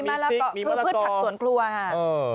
เหมือนมลากเกามีมาลากอพืชผักฝนครัวฮะอือ